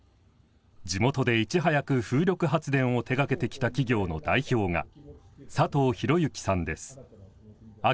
地元でいち早く風力発電を手がけてきた企業の代表が佐藤裕之さんです。